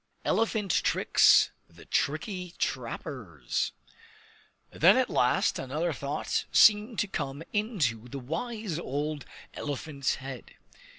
Elephant Tricks the Tricky Trappers Then at last another thought seemed to come into the wise old elephant's head.